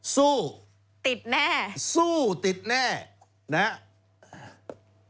สู้สู้ติดแน่นะครับ